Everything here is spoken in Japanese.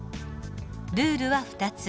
ルールは２つ。